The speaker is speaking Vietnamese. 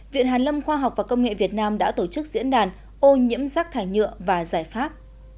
viện hàn lâm khoa học và công nghệ việt nam đã tổ chức diễn đàn ô nhiễm rác thải nhựa và giải pháp